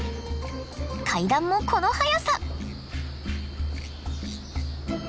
階段もこの速さ。